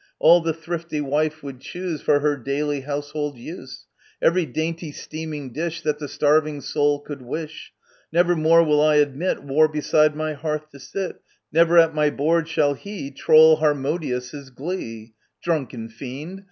All the thrifty wife would choose For her daily household use ; Every dainty steaming dish That the starving soul could wish. Never more will I admit War beside my hearth to sit, Never at my board shall he Troll Harmodius's glee, t Drunken fiend !